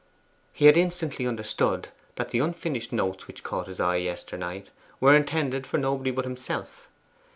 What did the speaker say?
He had instantly understood that the unfinished notes which caught his eye yesternight were intended for nobody but himself.